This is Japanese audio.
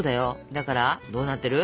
だからどうなってる？